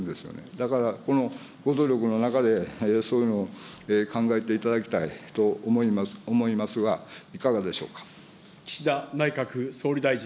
だから、このご努力の中で、そういうのを考えていただきたいと思いますが、いかがでしょうか。